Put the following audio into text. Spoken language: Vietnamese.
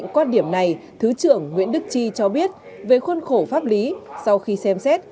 quan điểm này thứ trưởng nguyễn đức chi cho biết về khuôn khổ pháp lý sau khi xem xét